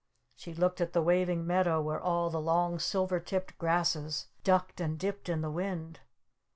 She looked at the Waving Meadow where all the long silver tipped grasses ducked and dipped in the wind.